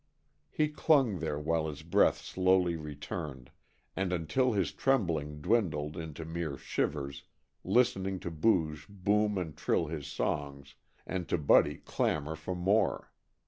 He clung there while his breath slowly returned, and until his trembling dwindled into mere shivers, listening to Booge boom and trill his songs, and to Buddy clamor for more.